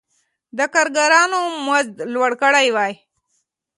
د کارګرانو مزد لوړ کړی وای.